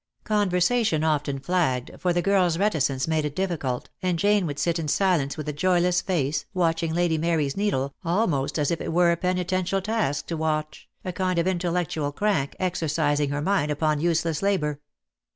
Conversation often flagged, for the girl's reticence made it difficult, and Jane would sit in silence with a joyless face, watching Lady Mary's DEAD LOVE HAS CHAINS. 31 needle, almost as if it were a penitential task so to watch, a kind of intellectual crank, exercising her mind upon useless labour.